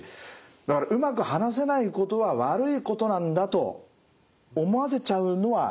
だからうまく話せないことは悪いことなんだと思わせちゃうのはやっぱりまずいわけですね？